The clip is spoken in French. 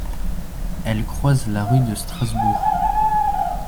Elle croise la rue de Strasbourg.